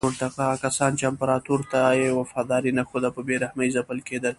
هغه کسان چې امپراتور ته یې وفاداري نه ښوده په بې رحمۍ ځپل کېدل.